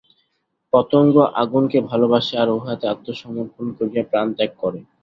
পতঙ্গ আগুনকে ভালবাসে, আর উহাতে আত্মসমর্পণ করিয়া প্রাণত্যাগ করে।